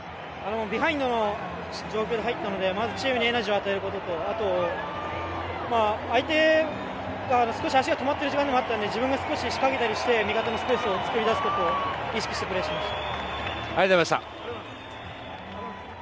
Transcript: ビハインドの状況で入ったのでまずチームにエナジーを与えることと相手が少し足が止まっている時間があったので自分が少し仕掛けたりして味方にスペースを作り出すことを意識してプレーしました。